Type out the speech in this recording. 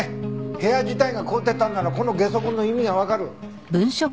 部屋自体が凍ってたんならこのゲソ痕の意味がわかる。